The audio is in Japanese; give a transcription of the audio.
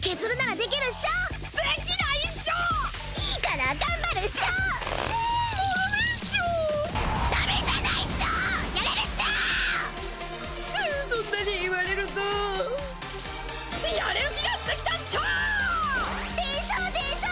でしょでしょ！